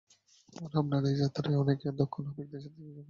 আর আপনার এই যাত্রায় অনেক দক্ষ নাবিকদের সাথে করে নিয়ে যাচ্ছেন!